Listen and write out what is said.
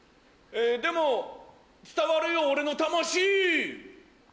でも伝わるよ俺の魂！